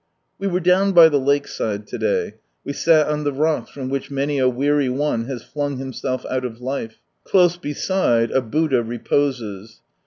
We were down by the lake side to day. We sal on the rocks from which many a weary one has flung himself out of life. Close beside, a Buddha reposes.